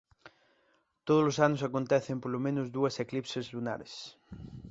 Todo os anos acontecen polo menos dúas eclipses lunares.